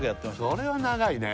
それは長いね